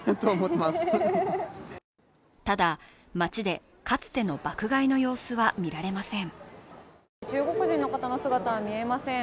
ただ、街でかつての爆買いの様子は見られません。